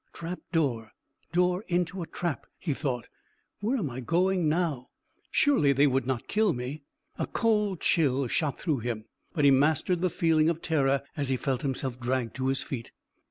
"Trap door door into a trap," he thought. "Where am I going now? Surely they would not kill me." A cold chill shot through him, but he mastered the feeling of terror as he felt himself dragged to his feet.